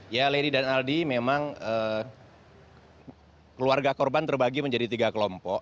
ya lady dan aldi memang keluarga korban terbagi menjadi tiga kelompok